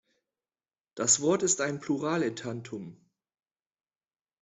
Das Wort ist ein Pluraletantum.